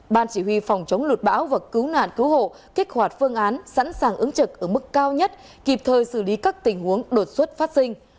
ban chỉ huy phòng chống lụt bão và cứu nạn cứu hộ kích hoạt phương án sẵn sàng ứng trực ở mức cao nhất kịp thời xử lý các tình huống đột xuất phát sinh